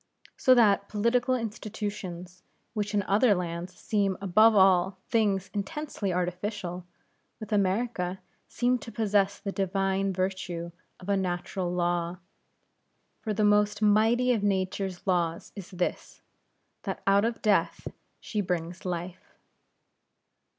So that political institutions, which in other lands seem above all things intensely artificial, with America seem to possess the divine virtue of a natural law; for the most mighty of nature's laws is this, that out of Death she brings Life.